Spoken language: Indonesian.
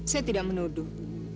saya tidak menuduh